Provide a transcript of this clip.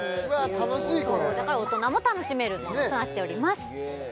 楽しいこれだから大人も楽しめるものとなっております